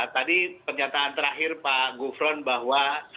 tadi pernyataan terakhir pak gufron bahwa